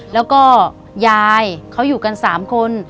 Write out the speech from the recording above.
แล้วก็ยายเขาอยู่กัน๓คน